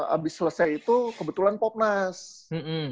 abis selesai itu kebetulan popness